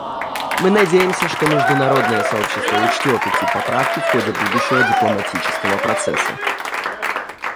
Мы надеемся, что международное сообщество учтет эти поправки в ходе будущего дипломатического процесса.